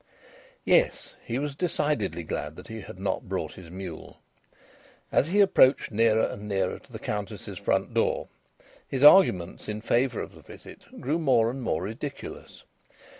Yes, he was decidedly glad that he had not brought his mule. As he approached nearer and nearer to the Countess's front door his arguments in favour of the visit grew more and more ridiculous.